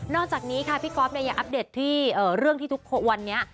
อกจากนี้ค่ะพี่ก๊อฟเนี่ยยังอัปเดตที่เรื่องที่ทุกวันนี้